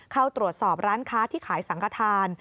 เข้าตรวจสอบร้านค้าที่ขายสังขทาน